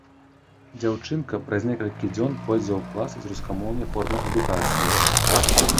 Дзяўчынка праз некалькі дзён пойдзе ў клас з рускамоўнай формай адукацыі.